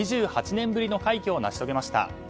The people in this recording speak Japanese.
２８年ぶりの快挙を成し遂げました。